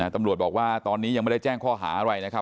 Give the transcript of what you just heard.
ตำรวจบอกว่าตอนนี้ยังไม่ได้แจ้งข้อหาอะไรนะครับ